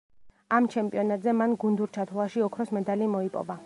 ამ ჩემპიონატზე მან გუნდურ ჩათვლაში ოქროს მედალი მოიპოვა.